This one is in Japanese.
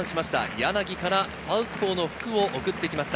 柳から、サウスポーの福を送ってきました。